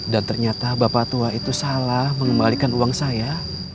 dan ternyata bapak tua itu salah mengembalikan uang saya